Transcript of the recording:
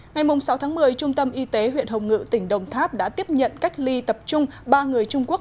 ngày sáu tháng một mươi trung tâm y tế huyện hồng ngự tỉnh đồng tháp đã tiếp nhận cách ly tập trung ba người trung quốc